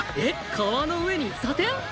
川の上に喫茶店？